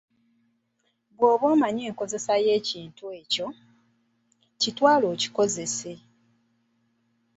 "Bwoba omanyi enkozesa y'ekintu ekyo, kitwale okikozese."